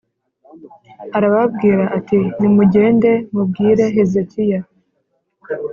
arababwira ati «Nimugende mubwire Hezekiya,